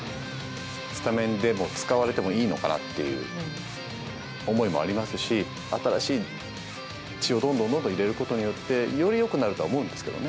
スタメンでも使われてもいいのかなっていう思いもありますし、新しい血をどんどんどんどん入れることによって、よりよくなるとは思うんですよね。